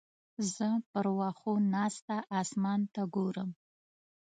زه پر وښو ناسته اسمان ته ګورم.